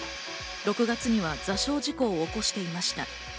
６月には座礁事故を起こしていました。